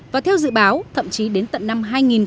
và theo dự báo thậm chí đến tận năm hai nghìn hai mươi